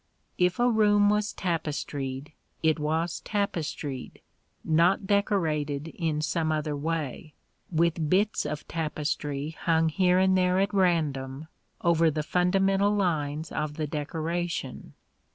If a room was tapestried, it was tapestried, not decorated in some other way, with bits of tapestry hung here and there at random over the fundamental lines of the decoration.